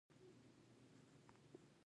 ماشومان په کور او ښوونځي کې پښتو نه زده کوي.